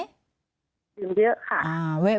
ดื่มเยอะค่ะ